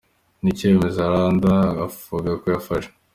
Ni icyemezo Aranda avuga ko yafashe